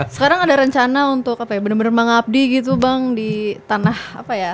sekarang ada rencana untuk apa ya benar benar mengabdi gitu bang di tanah apa ya